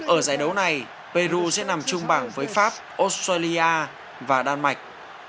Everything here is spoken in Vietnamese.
ở giải đấu này peru sẽ nằm chung bảng với pháp australia và đan mạch